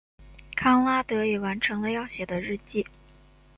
康拉德也完成了要写的日记。